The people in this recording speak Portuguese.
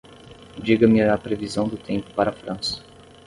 Diga-me a previsão do tempo para a França